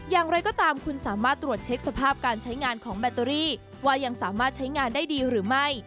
อย่างไรก็ตามคุณสามารถตรวจเช็คสภาพการใช้งานของแบตเตอรี่ว่ายังสามารถใช้งานได้ดีหรือไม่